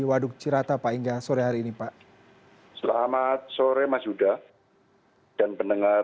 belum pulls out sudah berpengalaman bagaimana sisi asean selesai menambahkan perubahan